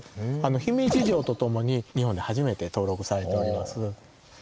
姫路城とともに日本で初めて登録されております。